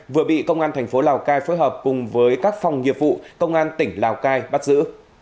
vừa bị công an thành phố lào cai phối hợp cùng với các phòng nghiệp vụ công an tỉnh lào cai bắt giữ